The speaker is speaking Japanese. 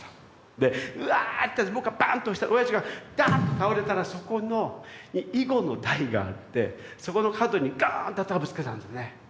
で「うわぁ！」って僕はバンッと押したらおやじがダーンと倒れたらそこの囲碁の台があってそこの角にガーンって頭ぶつけたんですね。